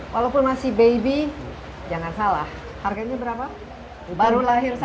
walaupun masih baby jangan salah harganya berapa baru lahir saja